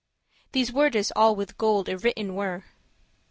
These wordes all with gold y written were.